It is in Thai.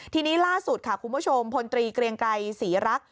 ทีนี้ล่าสุดค่ะคุณผู้ชมพลตรีเกรียงไกรศรีรักษ